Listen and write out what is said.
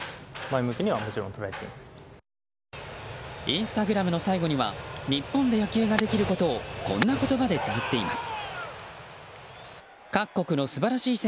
インスタグラムの最後には日本で野球ができることをこんな言葉でつづっています。